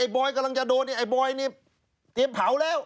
เนี่ยไบล์กำลังจะโดนเตรียมเผาแล้ว